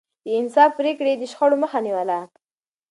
د انصاف پرېکړې يې د شخړو مخه نيوله.